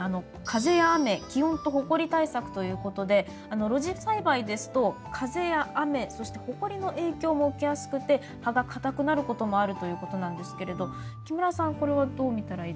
風や雨気温とほこり対策ということで露地栽培ですと風や雨そしてほこりの影響も受けやすくて葉がかたくなることもあるということなんですけれど木村さんこれはどう見たらいいでしょう？